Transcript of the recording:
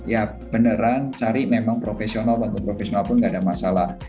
ya beneran cari memang profesional bantu profesional pun gak ada masalah